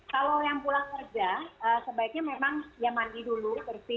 kalau yang pulang kerja sebaiknya memang ya mandi dulu bersih